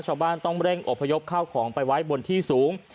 ชาวบ้านต้องเร่งอบพยพเข้าของไปไว้บนที่สูง